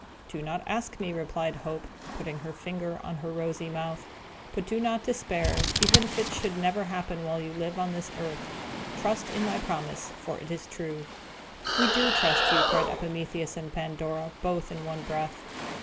"Do not ask me," replied Hope, putting her finger on her rosy mouth. "But do not despair, even if it should never happen while you live on this earth. Trust in my promise, for it is true." "We do trust you!" cried Epimetheus and Pandora, both in one breath.